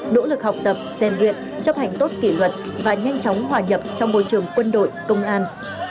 nỗ lực học tập gian luyện chấp hành tốt kỷ luật và nhanh chóng hòa nhập trong môi trường quân đội công an